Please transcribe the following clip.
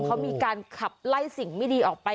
เขามีการขับไล่สิ่งไม่ดีออกไป